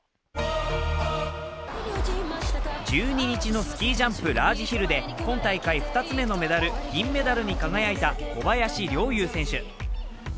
１２日のスキージャンプ・ラージヒルで今大会２つ目のメダル、銀メダルに輝いた小林陵侑選手。